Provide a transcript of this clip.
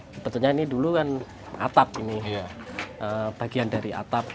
sebetulnya ini dulu kan atap ini bagian dari atap